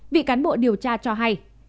vị cán bộ điều tra cho hay